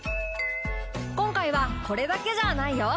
今回はこれだけじゃないよ。